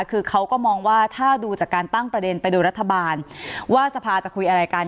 คือเขาก็มองว่าถ้าดูจากการตั้งประเด็นไปโดยรัฐบาลว่าสภาจะคุยอะไรกัน